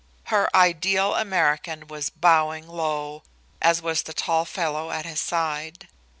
Her "ideal American" was bowing low, as was the tall fellow at his side.